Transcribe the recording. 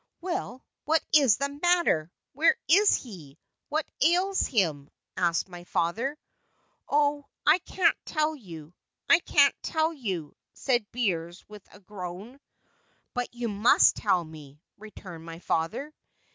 "Well, what is the matter? where is he? what ails him?" asked my father. "Oh, I can't tell you, I can't tell you!" said Beers with a groan. "But you must tell me," returned my father.